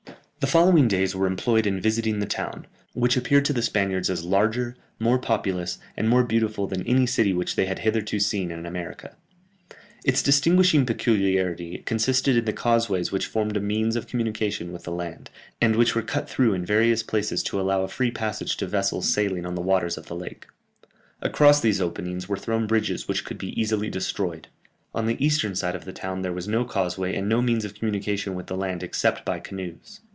The following days were employed in visiting the town, which appeared to the Spaniards as larger, more populous, and more beautiful than any city which they had hitherto seen in America. Its distinguishing peculiarity consisted in the causeways which formed a means of communication with the land, and which were cut through in various places to allow a free passage to vessels sailing on the waters of the lake. Across these openings were thrown bridges which could be easily destroyed. On the eastern side of the town there was no causeway and no means of communication with the land except by canoes.